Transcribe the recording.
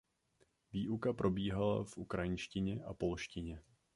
Výuka probíhala v ukrajinštině a polštině.